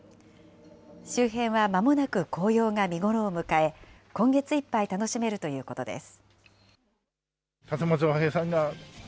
周辺はまもなく紅葉が見頃を迎え、今月いっぱい楽しめるということです。